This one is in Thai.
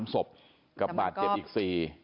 ๓ศพกับบาดเจ็บอีก๔